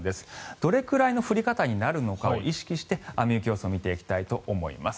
どれくらいの降り方になるのかを意識して雨・雪予想を見ていきたいと思います。